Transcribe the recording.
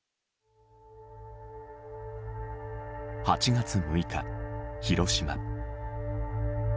８月６日、広島。